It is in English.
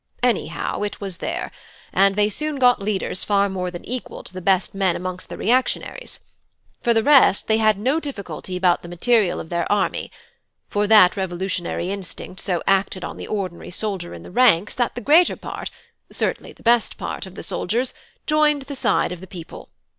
Anyhow, it was there, and they soon got leaders far more than equal to the best men amongst the reactionaries. For the rest, they had no difficulty about the material of their army; for that revolutionary instinct so acted on the ordinary soldier in the ranks that the greater part, certainly the best part, of the soldiers joined the side of the people.